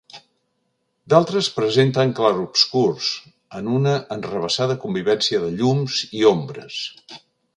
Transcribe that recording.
D'altres presenten clarobscurs, en una enrevessada convivència de llums i ombres.